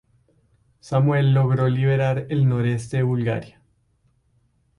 Samuel logró liberar el noreste de Bulgaria.